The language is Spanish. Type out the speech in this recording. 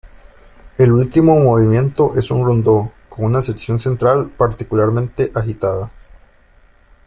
El último movimiento es un rondó con una sección central particularmente agitada.